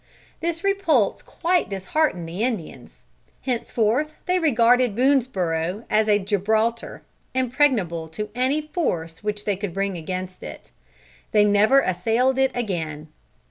This repulse quite disheartened the Indians. Henceforth they regarded Boonesborough as a Gibraltar; impregnable to any force which they could bring against it. They never assailed it again.